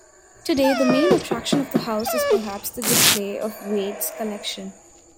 Today, the main attraction of the house is perhaps the display of Wade's collection.